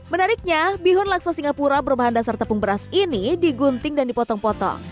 menariknya bihun lakso singapura berbahan dasar tepung beras ini digunting dan dipotong potong